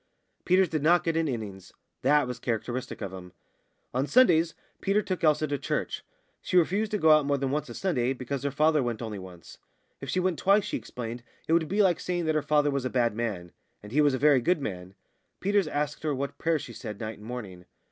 Peters did not get an innings that was characteristic of him. On Sundays Peters took Elsa to church. She refused to go more than once a Sunday, because her father went only once; if she went twice, she explained, it would be like saying that her father was a bad man; and he was a very good man. Peters asked her what prayers she said night and morning.